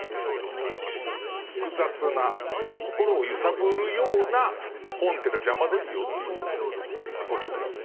複雑な心を揺さぶるような本ってのは邪魔ですよっていうことですね。